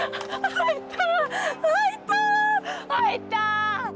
入った！